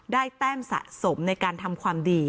แต้มสะสมในการทำความดี